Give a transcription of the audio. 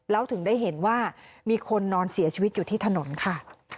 แล้วถึงได้เห็นว่ามีคนนอนเสียชีวิตอยู่ที่ถนนค่ะ